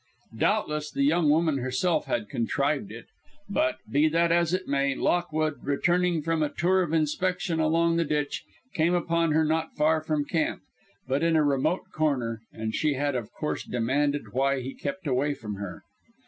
Doubtless the young woman herself had contrived it; but, be that as it may, Lockwood, returning from a tour of inspection along the ditch, came upon her not far from camp, but in a remote corner, and she had of course demanded why he kept away from her.